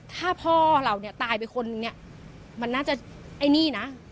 ถ้าพ่อเราตายเป็นคนมันน่าจะไอ้นี่นะ